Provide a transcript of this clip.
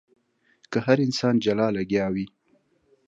که هر انسان جلا لګيا وي.